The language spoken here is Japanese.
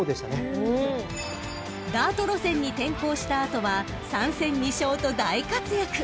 ［ダート路線に転向した後は３戦２勝と大活躍］